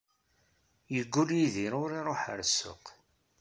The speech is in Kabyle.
Yeggull Yidir ur iruḥ ɣer ssuq.